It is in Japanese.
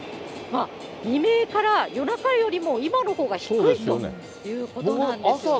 未明から夜中よりも今のほうが低いということなんですよね。